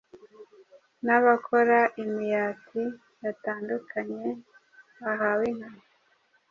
nabakora imiati batandukanye bahawe inka